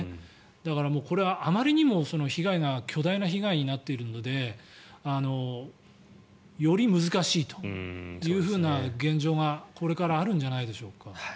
だからこれはあまりにも被害が巨大な被害になっているのでより難しいというふうな現状がこれからあるんじゃないでしょうか。